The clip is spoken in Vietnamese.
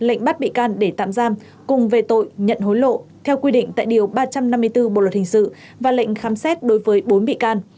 lệnh bắt bị can để tạm giam cùng về tội nhận hối lộ theo quy định tại điều ba trăm năm mươi bốn bộ luật hình sự và lệnh khám xét đối với bốn bị can